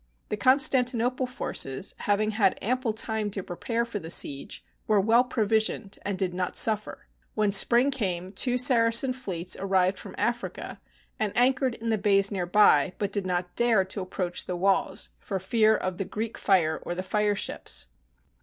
The Constantinople forces, having had ample time to prepare for the siege, were well provisioned and did not suffer. When spring came, two Saracen fleets arrived from Africa and anchored in the bays near by, but did not dare to approach the walls for fear of the Greek fire or the fireships.